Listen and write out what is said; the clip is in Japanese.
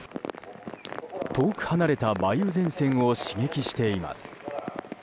遠く離れた梅雨前線を刺激しています。